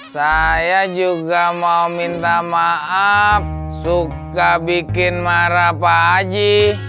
saya juga mau minta maaf suka bikin marah pak haji